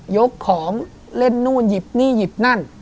ยกของเล่นนู่นหยิบนี่หยิบนั่น